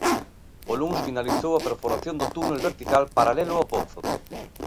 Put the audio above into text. O luns finalizou a perforación do túnel vertical paralelo ao pozo.